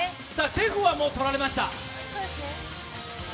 シェフはもう取られました。